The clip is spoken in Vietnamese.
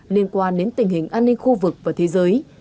liên quan đến tình hình an ninh khu vực và thế giới